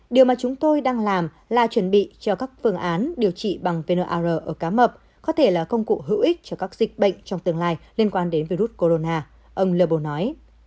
điều mà chúng tôi đang làm là chuẩn bị cho các phương án điều trị bằng vn ar ở cá mập có thể là công cụ hữu ích cho các dịch bệnh trong tương lai liên quan đến virus corona ông lebo nói